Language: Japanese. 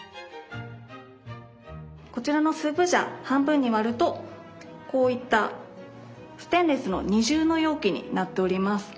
こちらのスープジャー半分に割るとこういったステンレスの二重の容器になっております。